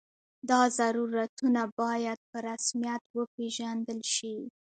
دا ضرورتونه باید په رسمیت وپېژندل شي.